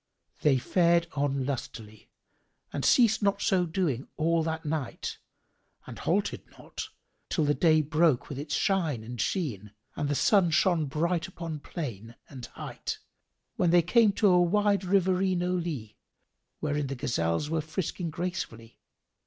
They fared on lustily and ceased not so doing all that night and halted not till the day broke with its shine and sheen and the sun shone bright upon plain and height when they came to a wide riverino lea wherein the gazelles were frisking gracefully.